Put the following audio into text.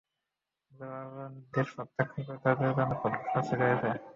যারা আল্লাহর নিদর্শনকে প্রত্যাখ্যান করে, তাদের জন্য কঠোর শাস্তি রয়েছে।